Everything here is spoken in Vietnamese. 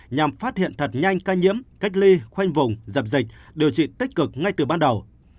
nhằm phát hiện thật nhanh ca nhiễm cách ly khoanh vùng dập dịch điều trị tích cực ngay từ ban đầu